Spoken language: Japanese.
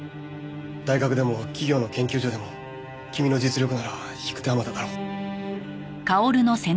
大学でも企業の研究所でも君の実力なら引く手あまただろう。